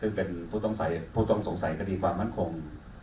ซึ่งเป็นผู้ต้องสงสัยคดีความมั่นคง